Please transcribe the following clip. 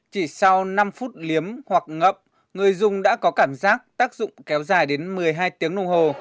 chỉ sau năm phút liếm hoặc ngậm người dùng đã có cảm giác tác dụng kéo dài đến một mươi hai tiếng đồng hồ